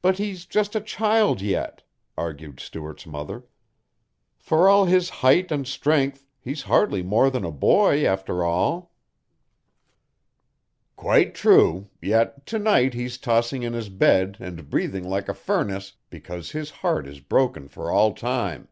"But he's just a child yet," argued Stuart's mother. "For all his height and strength he's hardly more than a boy after all." "Quite true, yet to night he's tossing in his bed and breathing like a furnace because his heart is broken for all time.